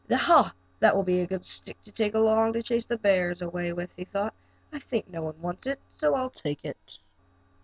"Ha, that will be a good stick to take along to chase the bears away with," he thought. "I think no one wants it, so I'll take it."